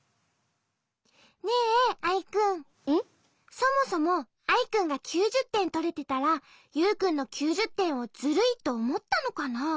そもそもアイくんが９０てんとれてたらユウくんの９０てんをズルいとおもったのかな？